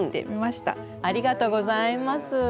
ありがとうございます。